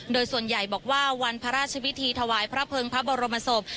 โดยส่วนใหญ่บอกว่าวันพระราชพิธีถวายพระเภิงพระบรมศพ